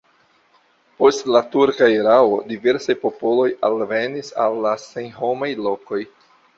Post la turka erao diversaj popoloj alvenis al la senhomaj lokoj.